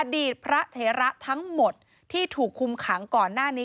อดีตพระเถระทั้งหมดที่ถูกคุมขังก่อนหน้านี้